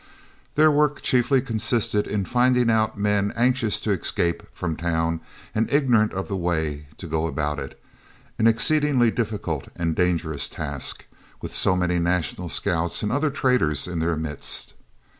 Their work chiefly consisted in finding out men anxious to escape from town and ignorant of the way to go about it an exceedingly difficult and dangerous task, with so many National Scouts and other traitors in their midst.